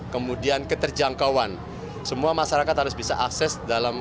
kemudian keterjangkauan semua masyarakat harus bisa akses dalam